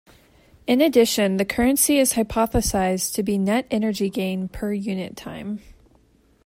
In addition, the currency is hypothesized to be net energy gain per unit time.